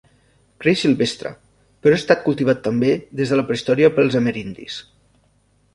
Creix silvestre, però ha estat cultivat també des de la prehistòria pels amerindis.